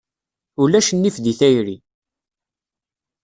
Ulac nnif deg tayri.